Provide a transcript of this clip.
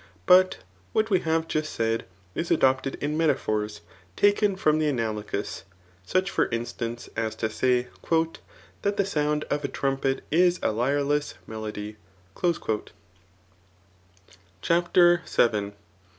But what we have jusc said, is 'adopted in metaphors, taken from the analogous; such for instance as to say, ^* That the sound of a trumpet is a lyreless melody/* CHAPTER VII.